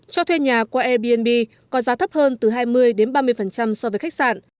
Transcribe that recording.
cho thuê nhà qua airbnb có giá thấp hơn từ hai mươi đến ba mươi so với khách sạn